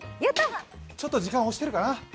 ちょっと時間押してるかな。